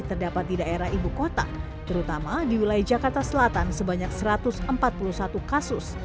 terdapat di daerah ibu kota terutama di wilayah jakarta selatan sebanyak satu ratus empat puluh satu kasus